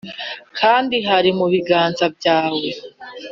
Kandi hari mubiganza byacu